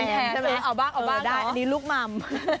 เอาบ้างได้อันนี้ลูกมัม